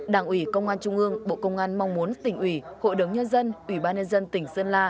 đảng ủy công an trung ương bộ công an mong muốn tỉnh ủy hội đồng nhân dân ủy ban nhân dân tỉnh sơn la